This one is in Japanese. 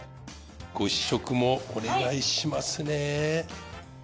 ご試食もお願いしますね。